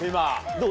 どう？